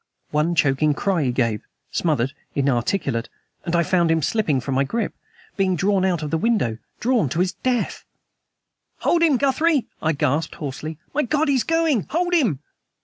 One choking cry he gave smothered, inarticulate and I found him slipping from my grip being drawn out of the window drawn to his death! "Hold him, Guthrie!" I gasped hoarsely. "My God, he's going! Hold him!"